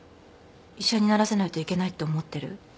医者にならせないといけないって思ってる？